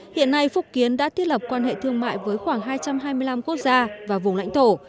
hiện nay phúc kiến đã thiết lập quan hệ thương mại với khoảng hai trăm hai mươi năm quốc gia và vùng lãnh thổ